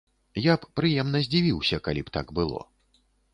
Я б прыемна здзівіўся, калі б так было.